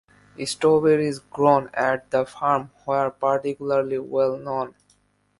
Strawberries grown at the farm were particularly well known.